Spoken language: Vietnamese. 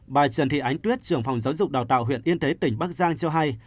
bài trần thị ánh tuyết trường phòng giáo dục đào tạo huyện yên thế tỉnh bắc giang cho hay